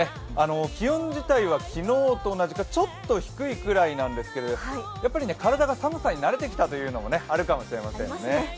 気温自体は昨日と同じかちょっと低いぐらいなんですけどやっぱり、体が寒さに慣れてきたというのもあるかもしれませんね。